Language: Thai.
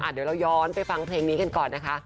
เดี๋ยวเราย้อนไปฟังเพลงนี้กันก่อนนะคะ